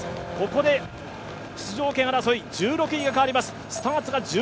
ここで出場権争い１６位が変わります。